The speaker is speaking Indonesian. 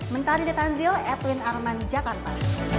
menari di tanzil edwin arman jakarta